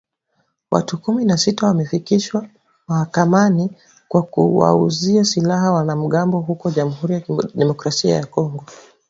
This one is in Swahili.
Watu kumi na sita wamefikishwa mahakamani kwa kuwauzia silaha wanamgambo huko Jamhuri ya Kidemokrasia ya Kongo